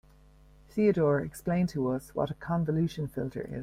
Theodore explained to us what a convolution filter is.